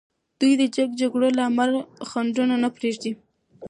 دوی د جنګ جګړو له امله خنډونه نه پریږدي.